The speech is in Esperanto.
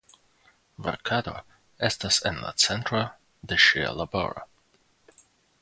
Verkado estas en la centro de ŝia laboro.